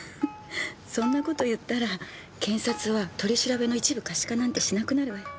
そんな事言ったら検察は取り調べの一部可視化なんてしなくなるわよ。